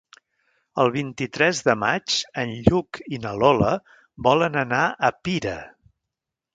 El vint-i-tres de maig en Lluc i na Lola volen anar a Pira.